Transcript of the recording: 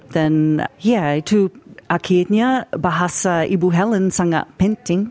dan ya itu akhirnya bahasa ibu helen sangat penting